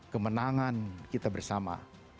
kemenangan kita bersama